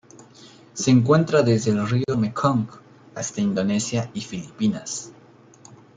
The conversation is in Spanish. Se encuentra desde el río Mekong hasta Indonesia y Filipinas.